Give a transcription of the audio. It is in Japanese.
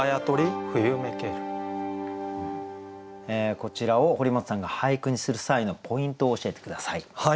こちらを堀本さんが俳句にする際のポイントを教えて下さい。